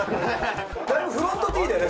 だいぶフロントＴだよね